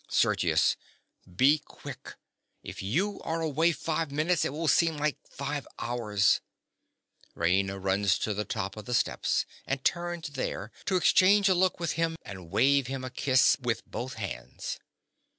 SERGIUS. Be quick. If you are away five minutes, it will seem five hours. (_Raina runs to the top of the steps and turns there to exchange a look with him and wave him a kiss with both hands.